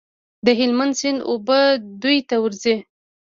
د هلمند سیند اوبه دوی ته ورځي.